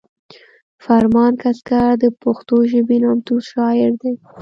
فرمان کسکر د پښتو ژبې نامتو شاعر دی